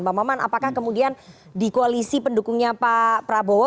bang maman apakah kemudian di koalisi pendukungnya pak prabowo